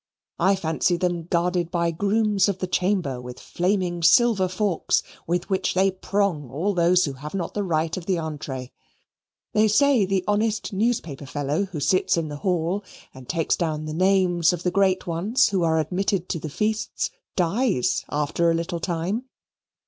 I fancy them guarded by grooms of the chamber with flaming silver forks with which they prong all those who have not the right of the entree. They say the honest newspaper fellow who sits in the hall and takes down the names of the great ones who are admitted to the feasts dies after a little time.